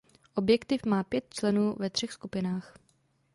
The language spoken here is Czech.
Objektiv má pět členů ve třech skupinách.